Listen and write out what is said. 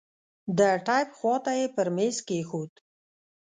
د ټېپ خوا ته يې پر ميز کښېښود.